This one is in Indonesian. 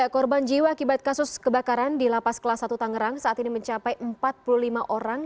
korban jiwa akibat kasus kebakaran di lapas kelas satu tangerang saat ini mencapai empat puluh lima orang